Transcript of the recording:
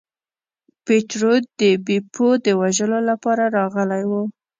پیټرو د بیپو د وژلو لپاره راغلی و.